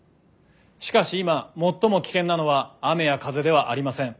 しかし今最も危険なのは雨や風ではありません。